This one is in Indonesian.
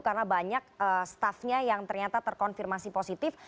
karena banyak staffnya yang ternyata terkonfirmasi positif